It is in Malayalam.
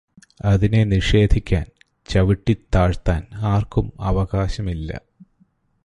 അതിനെ നിഷേധിക്കാന്, ചവിട്ടി താഴ്ത്താന് ആര്ക്കും അവകാശമില്ല.